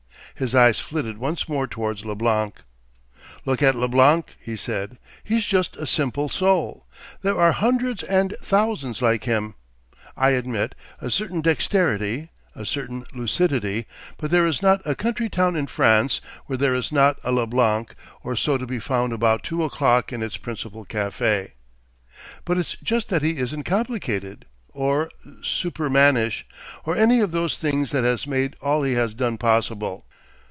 His eyes flitted once more towards Leblanc. 'Look at Leblanc,' he said. 'He's just a simple soul. There are hundreds and thousands like him. I admit, a certain dexterity, a certain lucidity, but there is not a country town in France where there is not a Leblanc or so to be found about two o'clock in its principal café. It's just that he isn't complicated or Super Mannish, or any of those things that has made all he has done possible.